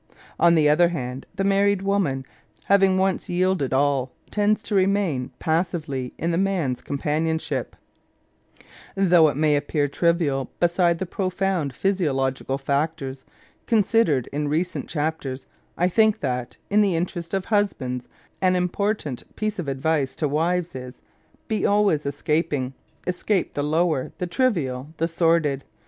On the 'other hand, the married woman, having once yielded all, tends to remain passively in the man's companionship' Though it may appear trivial beside the profound physiological factors considered in recent chapters, I think that, in the interests of husbands, an important piece of advice to wives is: Be always escaping Escape the lower, the trivial, the sordid.